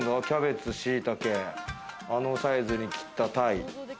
キャベツ、しいたけ、あのサイズに切ったタイ。